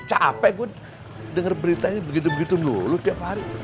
capek gue denger beritanya begitu begitu melulu tiap hari